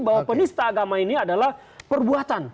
bahwa penista agama ini adalah perbuatan